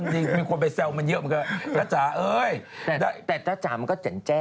ได้ครัวได้สามีแถมอะไรนะ